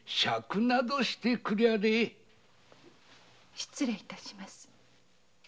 失礼致します。